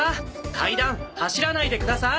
階段走らないでください！